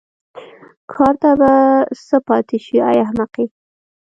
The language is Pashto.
کار ته به څه پاتې شي ای احمقې.